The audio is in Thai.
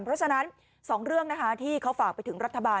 เพราะฉะนั้น๒เรื่องนะคะที่เขาฝากไปถึงรัฐบาล